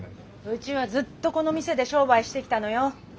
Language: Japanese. うちはずっとこの店で商売してきたのよ。